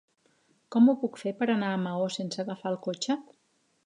Com ho puc fer per anar a Maó sense agafar el cotxe?